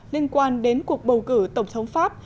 liên quan đến cuộc bầu cử tổng thống pháp